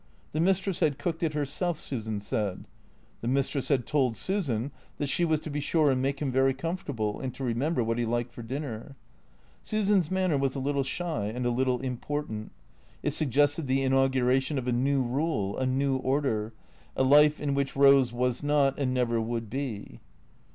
The mistress had cooked it herself, Susan said. The mistress had told Susan that she was to be sure and make him very comfortable, and to remem ber what he liked for dinner. Susan's manner was a little shy and a little important, it suggested the inauguration of a new rule, a new order, a life in which Eose was not and never would be.